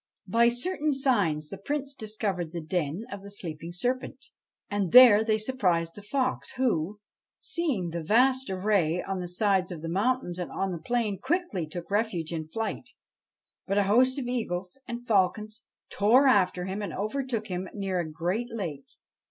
By certain signs the Prince discovered the den of the sleeping serpent, and there they surprised the fox, who, seeing the vast array on the sides of the mountain and on the plain, quickly took refuge in flight. But a host of eagles and falcons tore after him and over took him near a great lake.